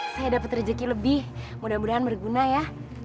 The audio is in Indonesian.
saya dapat rezeki lebih mudah mudahan berguna ya